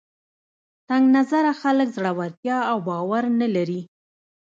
تنګ نظره خلک زړورتیا او باور نه لري